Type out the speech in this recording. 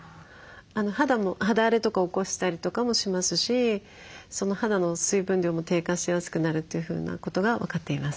肌荒れとか起こしたりとかもしますし肌の水分量も低下しやすくなるというふうなことが分かっています。